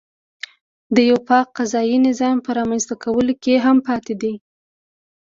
د یوه پاک قضایي نظام په رامنځته کولو کې هم پاتې دی.